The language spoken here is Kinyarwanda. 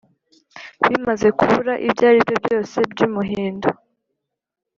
bimaze kubura ibyaribyo byose byumuhindo,